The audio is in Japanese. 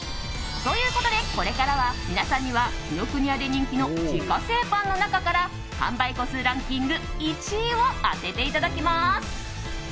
ということで、これから皆さんには紀ノ国屋で人気の自家製パンの中から販売個数ランキング１位を当てていただきます。